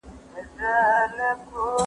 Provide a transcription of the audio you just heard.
محصلين دې څانګې ته ډېره ليوالتيا لري.